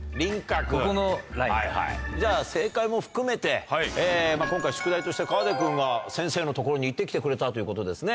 じゃあ正解も含めてまぁ今回宿題として河出君が先生の所に行って来てくれたということですね。